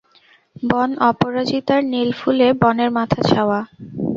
বন অপরাজিতার নীল ফুলে বনের মাথা ছাওয়া।